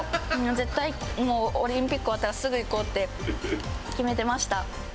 絶対オリンピック終わったらすぐ行こうって決めてました。